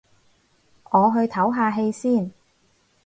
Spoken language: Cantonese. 我去唞下氣先